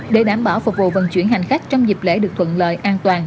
để đảm bảo phục vụ vận chuyển hành khách trong dịp lễ được thuận lợi an toàn